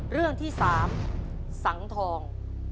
เรื่องที่๓สังทอง